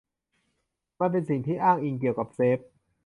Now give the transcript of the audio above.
มันเป็นสิ่งที่อ้างอิงเกี่ยวกับเชฟ